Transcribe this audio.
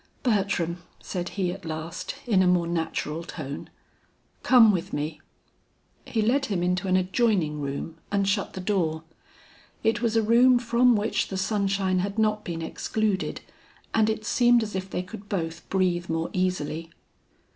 "Bertram," said he at last in a more natural tone, "come with me." He led him into an adjoining room and shut the door. It was a room from which the sunshine had not been excluded and it seemed as if they could both breathe more easily.